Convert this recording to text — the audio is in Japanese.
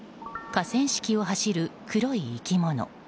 河川敷を走る黒い生き物。